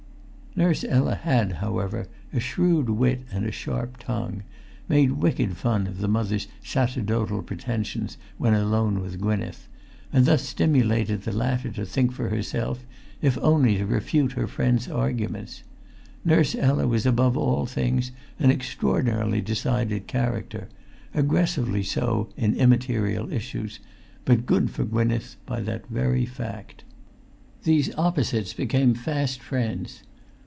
Nurse Ella had, however, a shrewd wit and a sharp tongue; made wicked fun of the Mother's sacerdotal pretensions when alone with Gwynneth; and thus stimulated the latter to think for herself, if only to refute her friend's arguments. Nurse Ella was above all things an extraordinarily decided character, aggressively so in immaterial issues, but good for Gwynneth by that very fact. These opposites became fast friends.